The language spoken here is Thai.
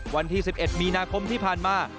วันที่๑๑มีนาคมที่ผ่านมา